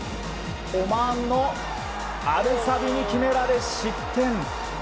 オマーンのアルサビに決められ失点。